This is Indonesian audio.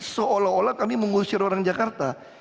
seolah olah kami mengusir orang jakarta